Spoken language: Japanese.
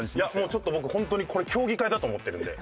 ちょっと僕ホントにこれ競技会だと思ってるんで。